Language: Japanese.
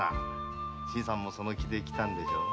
新さんもその気で来たんでしょ？